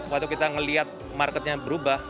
waktu kita ngeliat marketnya berubah